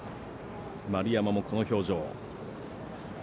丸山も、この表情でした。